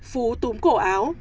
phú túm cổ áo